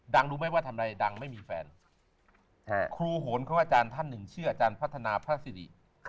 รู้ไหมว่าทำอะไรดังไม่มีแฟนครูโหนเขาว่าอาจารย์ท่านหนึ่งชื่ออาจารย์พัฒนาพระสิริ